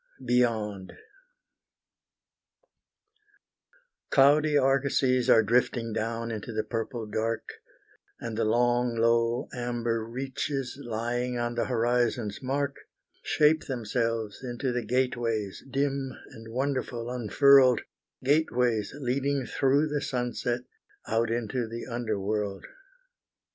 BEYOND Cloudy argosies are drifting down into the purple dark, And the long low amber reaches, lying on the horizon's mark, Shape themselves into the gateways, dim and wonderful unfurled, Gateways leading through' the sunset, out into the underworld.